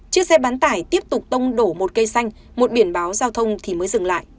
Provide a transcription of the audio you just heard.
chiếc xe bán tải tiếp tục tông đổ một cây xanh một biển báo giao thông thì mới dừng lại